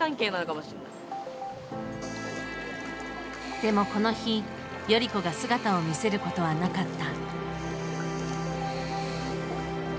でもこの日頼子が姿を見せることはなかった。